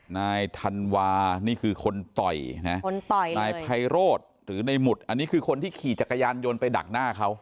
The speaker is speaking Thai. นายธันวานี่คือคนต่อยนะคนต่อยนายไพโรธหรือในหมุดอันนี้คือคนที่ขี่จักรยานยนต์ไปดักหน้าเขา